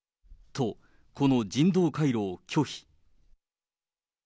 と、この人道回廊を拒否。